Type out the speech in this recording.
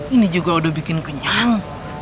ini juga udah bikin kenyang